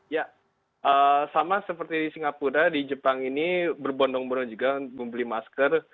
ya sama seperti di singapura di jepang ini berbondong bondong juga membeli masker